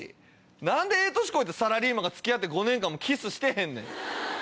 何でええ年こいてサラリーマンが付き合って５年間もキスしてへんねん。